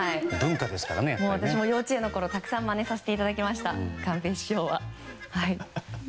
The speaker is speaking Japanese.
私も幼稚園のころに、たくさんまねさせていただきました。